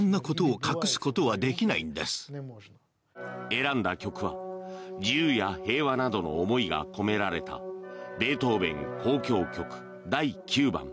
選んだ曲は自由や平和などの思いが込められたベートーベン、「交響曲第９番」